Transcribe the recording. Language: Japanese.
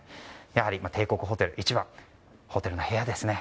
やはり帝国ホテル一番ホテルの部屋ですね。